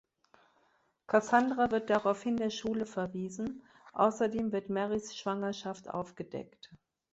Cassandra wird daraufhin der Schule verwiesen, außerdem wird Marys Schwangerschaft aufgedeckt.